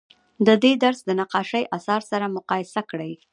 د دې درس د نقاشۍ اثار سره مقایسه کړئ.